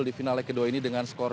di final lag kedua ini thailand menang